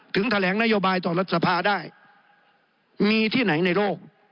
แถลงนโยบายต่อรัฐสภาได้มีที่ไหนในโลก